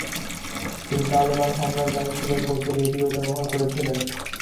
তিনি তালেবান হামলার দায় স্বীকার করতে রেডিও ব্যবহার করেছিলেন।